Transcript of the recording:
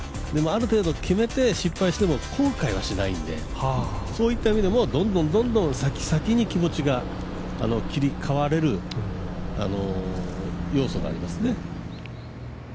ある程度決めて失敗しても後悔はしないのでそういった意味でもどんどん先に気持ちが切り替われる要素がありますね。